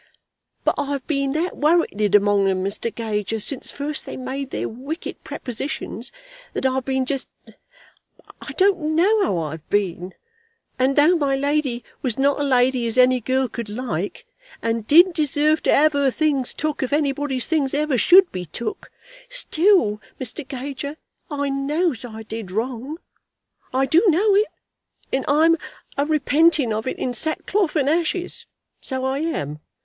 "But I've been that worrited among 'em, Mr. Gager, since first they made their wicked prepositions, that I've been jest I don't know how I've been. And though my lady was not a lady as any girl could like, and did deserve to have her things took if anybody's things ever should be took, still, Mr. Gager, I knows I did wrong. I do know it, and I'm a repenting of it in sackcloth and ashes; so I am.